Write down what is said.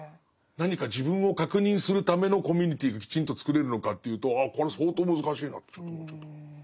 何か自分を確認するためのコミュニティーがきちんと作れるのかというとこれ相当難しいなってちょっと思っちゃった。